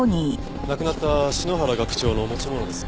亡くなった篠原学長の持ち物です。